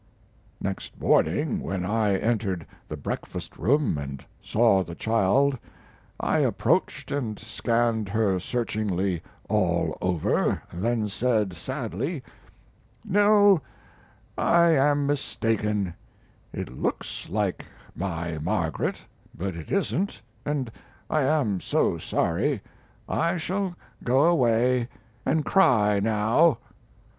Next morning when I entered the breakfast room and saw the child I approached and scanned her searchingly all over, then said, sadly: "No, I am mistaken; it looks like my Margaret, but it isn't, and I am so sorry. I shall go away and cry now."